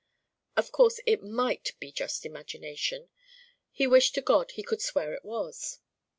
Of course it might be just imagination. He wished to God he could swear it was.